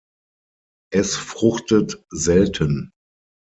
Es fruchtet selten.